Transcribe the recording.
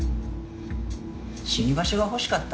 「死に場所が欲しかった」？